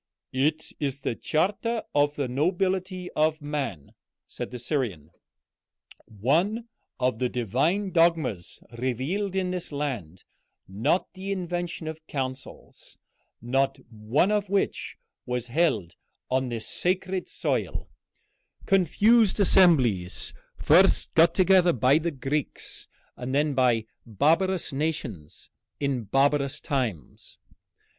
"It is the charter of the nobility of man," said the Syrian, "one of the divine dogmas revealed in this land; not the invention of councils, not one of which was held on this sacred soil, confused assemblies first got together by the Greeks, and then by barbarous nations in barbarous times."